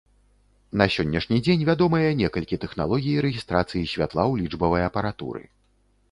На сённяшні дзень вядомыя некалькі тэхналогій рэгістрацыі святла ў лічбавай апаратуры.